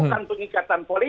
bukan pengikatan politik